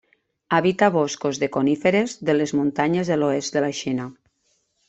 Habita boscos de coníferes de les muntanyes de l'oest de la Xina.